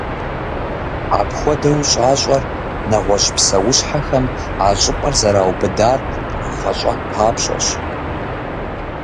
Апхуэдэу щӏащӏэр, нэгъуэщӏ псэущхьэхэм, а щӏыпӏэр зэраубыдар кърагъэщӏэн папщӏэщ.